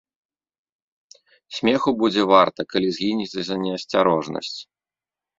Смеху будзе варта, калі згінеце за неасцярожнасць.